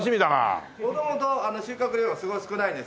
元々収穫量がすごい少ないんですよ。